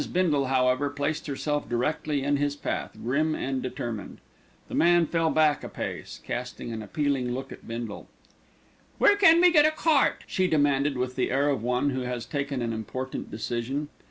Bindle, however, placed herself directly in his path, grim and determined. The man fell back a pace, casting an appealing look at Bindle. "Where can we get a cart?" she demanded with the air of one who has taken an important decision.